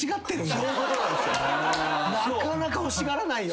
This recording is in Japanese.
なかなか欲しがらないよ。